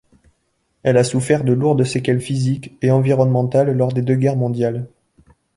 Elle a souffert de lourdes séquelles physiques et environnementales lors des deux guerres mondiales.